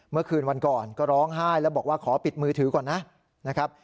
เมื่อคืนวันก่อนก็ร้องไห้แล้วบอกว่าขอปิดมือถือก่อนนะครับ